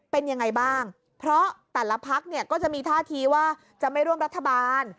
เป็นยังไงบ้างเพราะแต่ละพักเนี่ยก็จะมีท่าทีว่าจะไม่ร่วมรัฐบาล